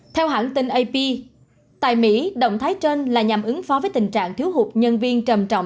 theo hãng tin ap tại mỹ động thái trên là nhằm ứng phó với tình trạng thiếu hụt nhân viên trầm trọng